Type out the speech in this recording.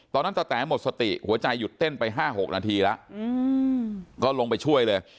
ตะแต๋หมดสติหัวใจหยุดเต้นไป๕๖นาทีแล้วก็ลงไปช่วยเลย